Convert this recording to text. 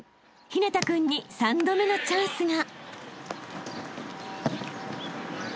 ［陽楽君に三度目のチャンスが］